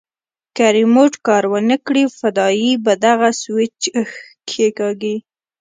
که ريموټ کار ونه کړي فدايي به دغه سوېچ کښېکاږي.